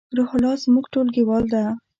روح الله زمونږ ټولګیوال ده